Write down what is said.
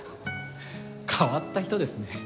変わった人ですね。